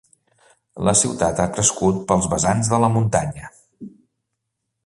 La ciutat ha crescut pels vessants de la muntanya.